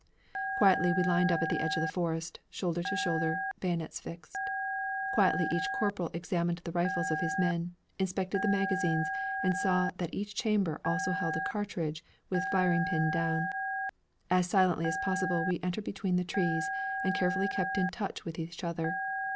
Quietly we lined up at the edge of the forest, shoulder to shoulder, bayonets fixed. Quietly each corporal examined the rifles of his men, inspected the magazines, and saw that each chamber also held a cartridge with firing pin down. As silently as possible we entered between the trees, and carefully kept in touch with each other.